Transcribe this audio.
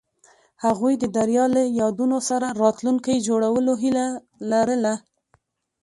هغوی د دریا له یادونو سره راتلونکی جوړولو هیله لرله.